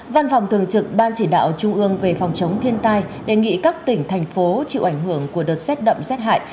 văn phòng thường trực ban chỉ đạo trung ương về phòng chống thiên tai đề nghị các tỉnh thành phố chịu ảnh hưởng của đợt rét đậm rét hại